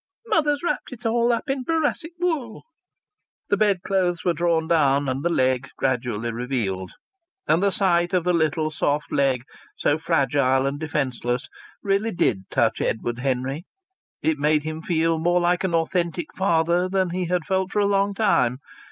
"Mother's wrapped it all up in boracic wool." The bed clothes were drawn down and the leg gradually revealed. And the sight of the little soft leg, so fragile and defenceless, really did touch Edward Henry. It made him feel more like an authentic father than he had felt for a long time.